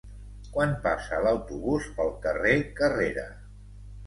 Quan passa l'autobús pel carrer Carrera?